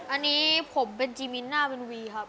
อันนี้ผมเป็นจีมินหน้าวินวีครับ